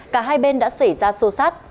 cả hai bên đã xảy ra sô sát